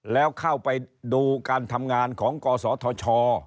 แล้วเข้าไปดูการทำงานของกศธช